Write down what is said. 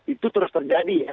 itu terus terjadi